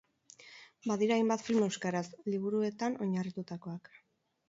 Badira hainbat film euskaraz, liburuetan oinarritutakoak.